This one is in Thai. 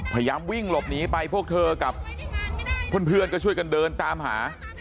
พยายามวิ่งหลบหนีไปพวกเธอกับเพื่อนก็ช่วยกันเดินตามหา